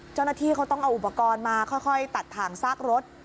เจ้าหน้าที่เขาต้องเอาอุปกรณ์มาค่อยตัดถ่างซากรถ